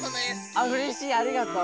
あうれしいありがとう。